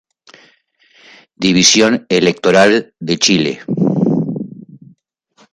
División electoral de Chile